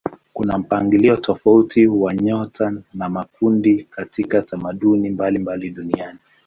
Kuna mpangilio tofauti wa nyota kwa makundi katika tamaduni mbalimbali duniani.